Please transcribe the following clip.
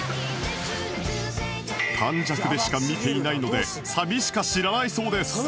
短尺でしか見ていないのでサビしか知らないそうです